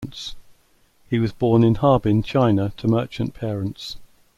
He was born in Harbin, China to merchant parents.